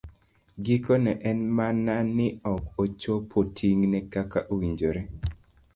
Gikone, en mana ni ok ochopo ting'ne kaka owinjore.